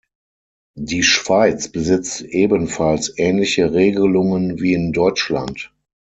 Die Schweiz besitzt ebenfalls ähnliche Regelungen wie in Deutschland.